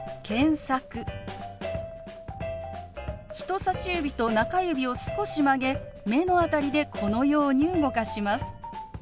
人さし指と中指を少し曲げ目の辺りでこのように動かします。